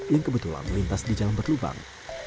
yang kebetulan melintas di jalan berlubang